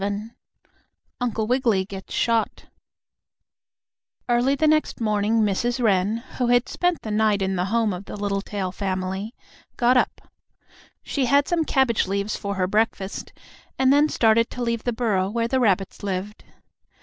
VII UNCLE WIGGILY GETS SHOT Early the next morning Mrs. Wren, who had spent the night at the home of the Littletail family, got up. She had some cabbage leaves for her breakfast, and then started to leave the burrow where the rabbits lived.